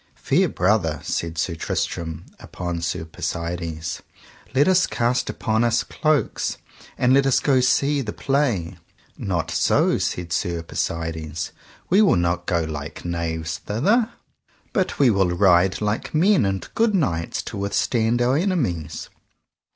Fair brother, said Sir Tristram unto Sir Persides, let us cast upon us cloaks, and let us go see the play. Not so, said Sir Persides, we will not go like knaves thither, but we will ride like men and good knights to withstand our enemies.